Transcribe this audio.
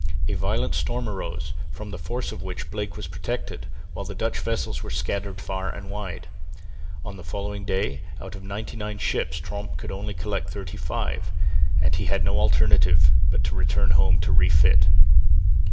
A violent storm arose, from the force of which Blake was protected, while the Dutch vessels were scattered far and wide. On the following day, out of ninety nine ships Tromp could only collect thirty five, and had no alternative but to return home to refit.